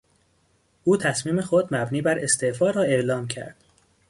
او تصمیم خود مبنی بر استعفا را اعلام کرد.